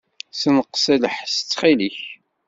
Ssenqes lḥess, ttxil-k.